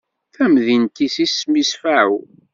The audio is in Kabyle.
Tamdint-is isem-is Faɛu.